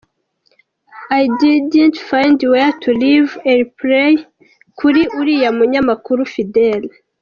Ididn”t find where to leave a reply Kuli uriya munyanmakuru Fidele.